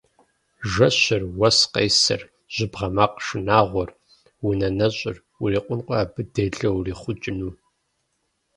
Жэщыр, уэс къесыр, жьыбгъэ макъ шынагъуэр, унэ нэщӏыр – урикъункъэ абы делэ урихъукӏыну!